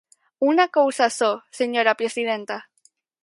Unha cousa só, señora presidenta.